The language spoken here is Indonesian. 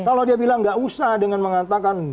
kalau dia bilang nggak usah dengan mengatakan